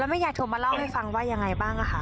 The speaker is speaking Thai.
แล้วไม่อยากถูกมาเล่าให้ฟังว่าอย่างไรบ้างนะคะ